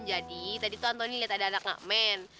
jadi tadi tuh antoni liat ada anak nak men